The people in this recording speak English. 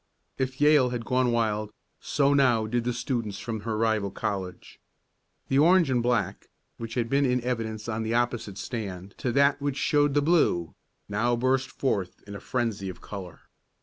If Yale had gone wild, so now did the students from her rival college. The orange and black, which had been in evidence on the opposite stand to that which showed the blue, now burst forth in a frenzy of color.